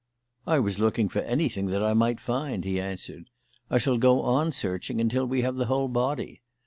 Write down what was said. "I was looking for anything that I might find," he answered. "I shall go on searching until we have the whole body.